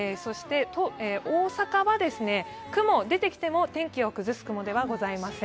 大阪は雲が出てきても、天気を崩す雲ではございません。